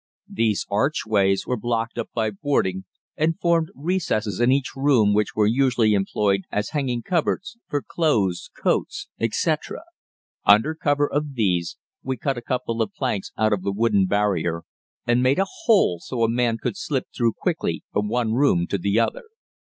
These archways were blocked up by boarding, and formed recesses in each room which were usually employed as hanging cupboards for clothes, coats, etc. Under cover of these we cut a couple of planks out of the wooden barrier and made a hole so a man could slip through quickly from one room to the other.